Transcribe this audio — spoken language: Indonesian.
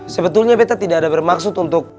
sebetulnya beta tidak ada bermaksud untuk